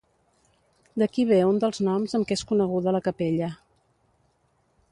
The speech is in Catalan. D'aquí ve un dels noms amb què és coneguda la capella.